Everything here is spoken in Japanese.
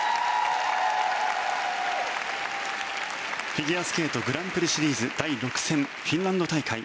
フィギュアスケートグランプリシリーズ第６戦フィンランド大会。